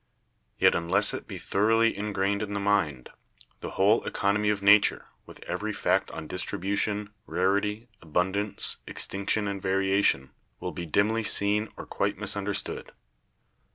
Yet unless it be thoroly ingrained in the mind, the whole economy of nature, with every fact on distribution, rarity, abundance, extinction and variation, will be dimiy seen or quite misunderstood.